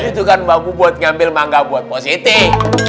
itu kan mampu buat ngambil mangga buat positif